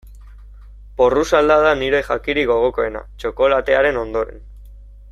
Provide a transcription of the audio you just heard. Porrusalda da nire jakirik gogokoena, txokolatearen ondoren.